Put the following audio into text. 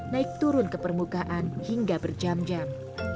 naik turun ke permukaan hingga berjam jam